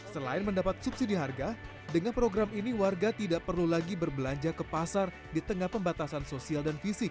selain mendapat subsidi harga dengan program ini warga tidak perlu lagi berbelanja ke pasar di tengah pembatasan sosial dan fisik